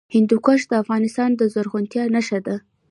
هندوکش د افغانستان د زرغونتیا نښه ده.